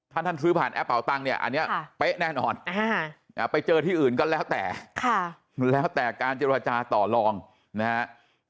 ถ้าท่านซื้อผ่านแอปเป่าตังเนี่ยอันนี้เป๊ะแน่นอนไปเจอที่อื่นก็แล้วแต่แล้วแต่การเจรจาต่อลองนะฮะ